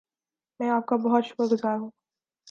میں آپ کا بہت شکر گزار ہوں